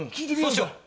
そうしよう。